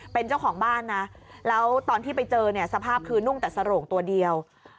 เป็นเจ้าของบ้านนะแล้วตอนที่ไปเจอเนี่ยสภาพคือนุ่งแต่สโรงตัวเดียว